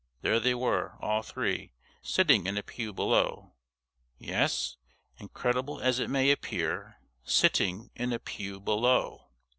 There they were, all three, sitting in a pew below yes, incredible as it may appear, sitting in a pew below!